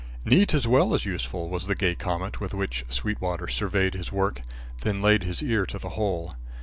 "Neat as well as useful," was the gay comment with which Sweetwater surveyed his work, then laid his ear to the hole.